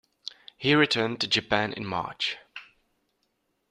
He returned to Japan in March.